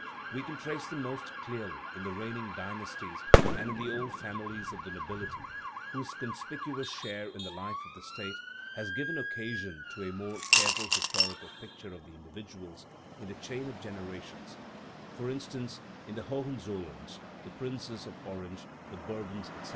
We can trace them most clearly in the reigning dynasties and in old families of the nobility, whose conspicuous share in the life of the State has given occasion to a more careful historical picture of the individuals in the chain of generations for instance, in the Hohenzollerns, the princes of Orange, the Bourbons, etc.